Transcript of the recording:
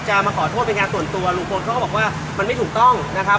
มาขอโทษเป็นงานส่วนตัวลุงพลเขาก็บอกว่ามันไม่ถูกต้องนะครับ